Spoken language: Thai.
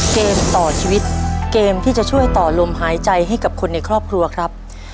เกมต่อชีวิตเกมที่จะช่วยต่อลมหายใจให้กับคนในครอบครัวครับ